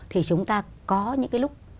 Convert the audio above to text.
thì chúng ta có những cái lúc